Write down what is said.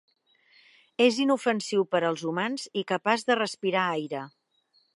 És inofensiu per als humans i capaç de respirar aire.